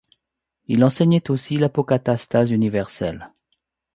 Il enseignait aussi l'apocatastase universelle.